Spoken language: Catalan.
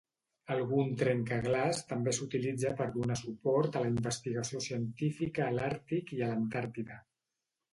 Algun trencaglaç també s'utilitza per donar suport a la investigació científica a l'Àrtic i a l'Antàrtida.